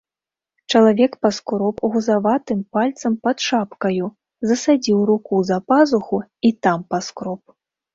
Чалавек паскроб гузаватым пальцам пад шапкаю, засадзіў руку за пазуху і там паскроб.